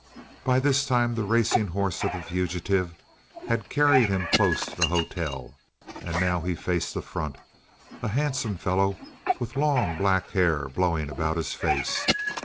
By this time the racing horse of the fugitive had carried him close to the hotel, and now he faced the front, a handsome fellow with long black hair blowing about his face.